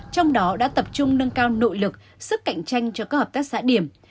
trong đó đã tập trung nâng cao nội lực sức cạnh tranh cho các hợp tác xã điểm